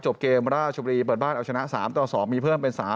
เกมราชบุรีเปิดบ้านเอาชนะ๓ต่อ๒มีเพิ่มเป็น๓